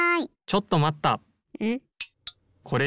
・ちょっとまった！